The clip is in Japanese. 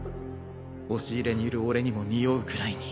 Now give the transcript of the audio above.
押し入れにいる俺にもにおうぐらいに。